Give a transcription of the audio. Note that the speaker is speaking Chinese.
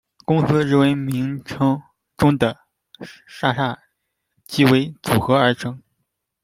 公司日文名称中的「」即为「」组合而成。